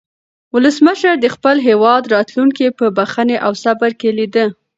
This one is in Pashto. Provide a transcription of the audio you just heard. ولسمشر د خپل هېواد راتلونکی په بښنې او صبر کې لیده.